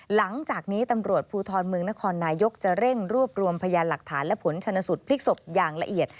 หลังจากนี้ตำรวจภูทรเมืองนครนายกจะเร่งรวบรวมพยานหลักฐานและผลชนสูตรพลิกศพอย่างละเอียด